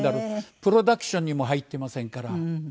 プロダクションにも入ってませんから。